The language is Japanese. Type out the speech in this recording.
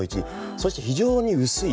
そして、非常に薄い。